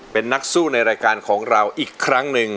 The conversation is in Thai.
เป็นนักสู้ในรายการของเราอีกครั้งหนึ่ง